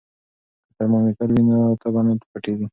که ترمامیتر وي نو تبه نه پټیږي.